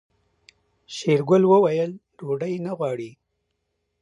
شېرګل وويل ډوډۍ نه غواړي.